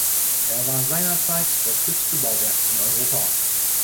Er war seinerzeit das höchste Bauwerk in Europa.